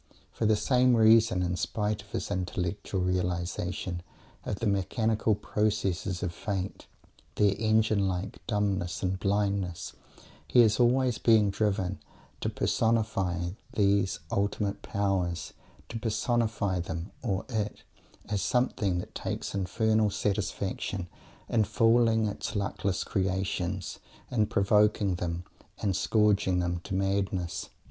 For the same reason, in spite of his intellectual realization of the mechanical processes of Fate, their engine like dumbness and blindness, he is always being driven to personify these ultimate powers; to personify them, or it, as something that takes infernal satisfaction in fooling its luckless creations; in provoking them and scourging them to madness.